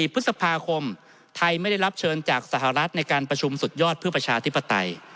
พฤษภาคมไทยไม่ได้รับเชิญจากสหรัฐในการประชุมสุดยอดเพื่อประชาธิปไตย